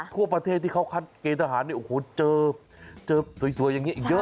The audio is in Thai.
ทั่วประเทศที่เขาคัดเกณฑ์ทหารเนี่ยโอ้โหเจอสวยอย่างนี้อีกเยอะ